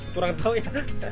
kurang tau ya